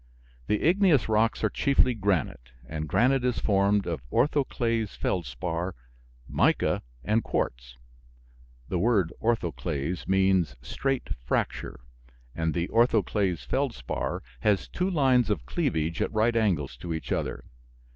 The igneous rocks are chiefly granite; and granite is formed of orthoclase feldspar, mica, and quartz. (The word "orthoclase" means straight fracture, and the orthoclase feldspar has two lines of cleavage at right angles to each other.)